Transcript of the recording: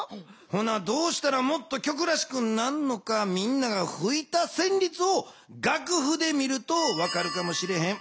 ほなどうしたらもっと曲らしくなるのかみんながふいたせんりつをがくふで見ると分かるかもしれへん。